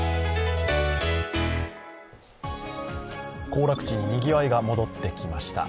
行楽地ににぎわいが戻ってきました。